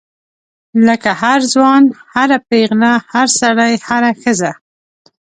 لکه هر ځوان هر پیغله هر سړی هره ښځه.